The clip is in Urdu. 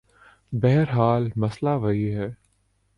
بہرحال مسئلہ وہی ہے۔